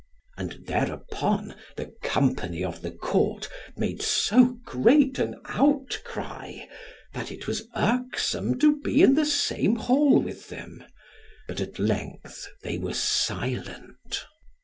And thereupon the company of the court made so great an outcry, that it was irksome to be in the same hall with them. But at length they were silent.